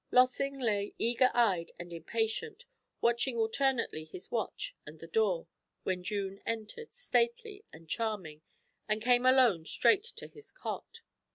Lossing lay eager eyed and impatient, watching alternately his watch and the door, when June entered, stately and charming, and came alone straight to his cot.